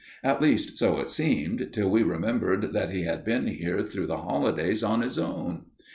At least, so it seemed, till we remembered that he had been here through the holidays on his own.